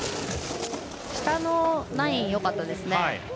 下の９００よかったですね。